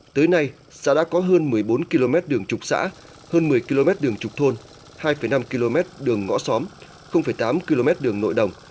tới nay xã đã có hơn một mươi bốn km đường trục xã hơn một mươi km đường trục thôn hai năm km đường ngõ xóm tám km đường nội đồng